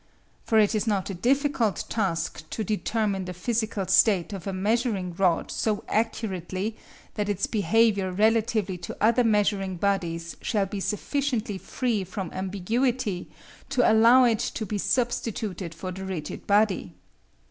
For it is not a difficult task to determine the physical state of a measuring rod so accurately that its behaviour relatively to other measuring bodies shall be sufficiently free from ambiguity to allow it to be substituted for the "rigid" body.